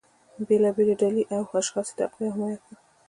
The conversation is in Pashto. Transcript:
بیلابیلې ډلې او اشخاص یې تقویه او حمایه کړل